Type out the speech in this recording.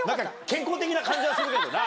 健康的な感じはするけどな。